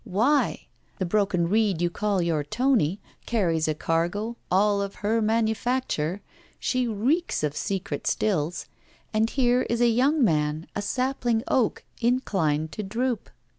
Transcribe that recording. Why! The broken reed you call your Tony carries a cargo, all of her manufacture she reeks of secret stills; and here is a young man a sapling oak inclined to droop.